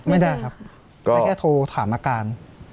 ไม่ได้ครับแต่แค่โทรถามอาการ